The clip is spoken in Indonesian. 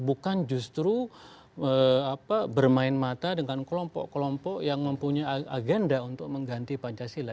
bukan justru bermain mata dengan kelompok kelompok yang mempunyai agenda untuk mengganti pancasila